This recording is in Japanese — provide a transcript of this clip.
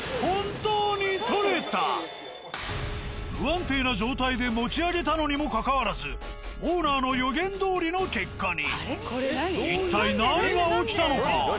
不安定な状態で持ち上げたのにもかかわらずオーナーの予言どおりの結果に。